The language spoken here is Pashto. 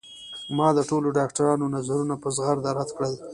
ما د ټولو ډاکترانو نظرونه په زغرده رد کړل